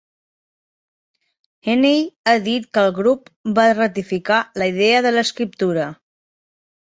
Heaney ha dit que el grup va ratificar la idea de l'escriptura.